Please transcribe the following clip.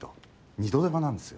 二度手間なんですよ。